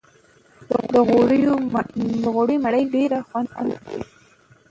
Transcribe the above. د غوړيو مړۍ ډېره خوند کوي